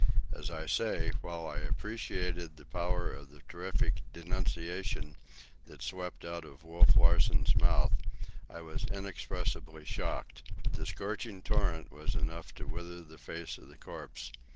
As I say, while I appreciated the power of the terrific denunciation that swept out of Wolf Larsen's mouth, I was inexpressibly shocked. The scorching torrent was enough to wither the face of the corpse.